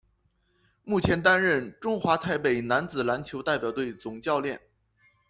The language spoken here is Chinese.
目前担任中华台北男子篮球代表队总教练。